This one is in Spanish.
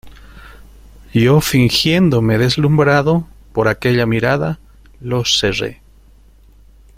yo fingiéndome deslumbrado por aquella mirada, los cerré.